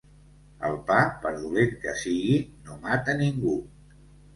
El pa, per dolent que sigui, no mata ningú.